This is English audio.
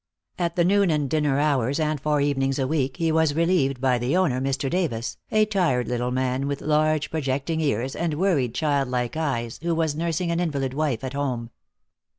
At the noon and dinner hours, and four evenings a week, he was relieved by the owner, Mr. Davis, a tired little man with large projecting ears and worried, child like eyes, who was nursing an invalid wife at home.